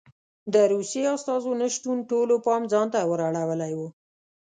د روسیې استازو نه شتون ټولو پام ځان ته ور اړولی و